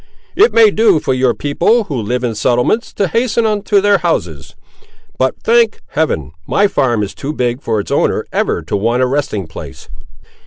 "It may do for your people, who live in settlements, to hasten on to their houses; but, thank Heaven! my farm is too big for its owner ever to want a resting place."